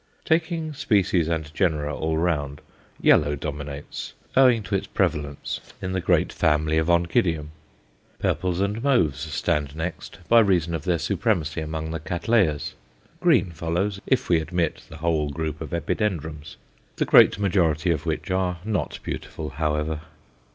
Taking species and genera all round, yellow dominates, owing to its prevalence in the great family of Oncidium; purples and mauves stand next by reason of their supremacy among the Cattleyas. Green follows if we admit the whole group of Epidendrums the great majority of which are not beautiful, however.